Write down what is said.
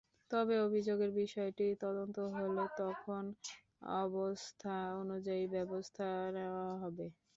তবে অভিযোগের বিষয়টি তদন্ত হলে তখন অবস্থা অনুযায়ী ব্যবস্থা নেওয়া হবে।